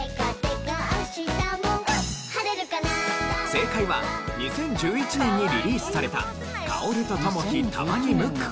正解は２０１１年にリリースされた薫と友樹、たまにムック。